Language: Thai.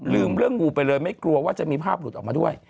เรื่องงูไปเลยไม่กลัวว่าจะมีภาพหลุดออกมาด้วย